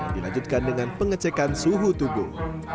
dilanjutkan dengan pengecekan suhu tubuh